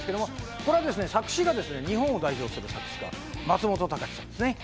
作詞が日本代表する作詞家・松本隆さんですね。